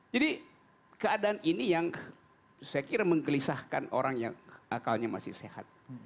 jadi keadaan ini yang saya kira menggelisahkan orang yang akalnya masih sehat